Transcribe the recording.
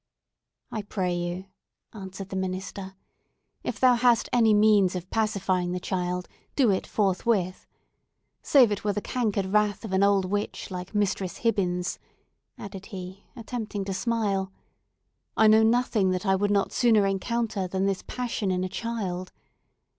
"I pray you," answered the minister, "if thou hast any means of pacifying the child, do it forthwith! Save it were the cankered wrath of an old witch like Mistress Hibbins," added he, attempting to smile, "I know nothing that I would not sooner encounter than this passion in a child.